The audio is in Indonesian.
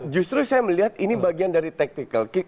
justru saya melihat ini bagian dari tactical kick